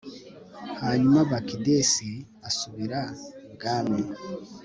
hanyuma bakidesi asubira i bwami